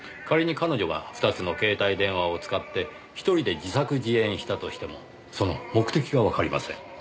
仮に彼女が２つの携帯電話を使って１人で自作自演したとしてもその目的がわかりません。